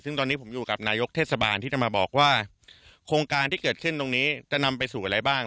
ซึ่งตอนนี้ผมอยู่กับนายกเทศบาลที่จะมาบอกว่าโครงการที่เกิดขึ้นตรงนี้จะนำไปสู่อะไรบ้าง